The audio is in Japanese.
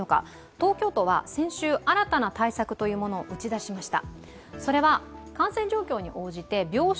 東京都は先週、新たな対策を打ち出しました。